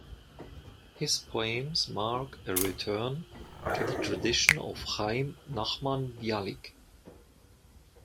His poems mark a return to the tradition of Haim Nachman Bialik.